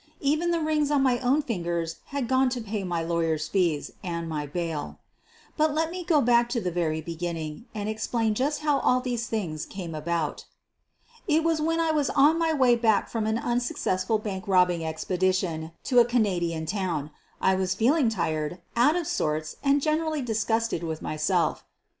Even the rings on my own fingers had gone to pay my lawyers' fees and my bail. But let me go back to the very beginning and ex plain just how all these things came about. It was when I was on my way back from an un successful bank robbing expedition to a Canadian town. I was feeling tired, out of sorts and generally disgusted with myself.